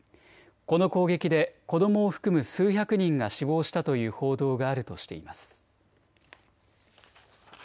この攻撃で子どもを含む数百人が死亡したという報道があるとしています。